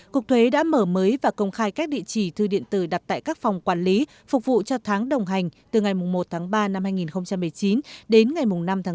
cục thuế đã mở mới và công khai các địa chỉ thư điện tử đặt tại các phòng quản lý phục vụ cho tháng đồng hành từ ngày một ba hai nghìn một mươi chín đến ngày năm bốn hai nghìn một mươi chín